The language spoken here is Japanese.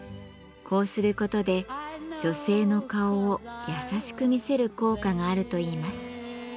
こうすることで女性の顔を優しく見せる効果があるといいます。